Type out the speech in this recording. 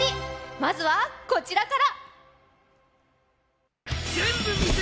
まずはこちらから！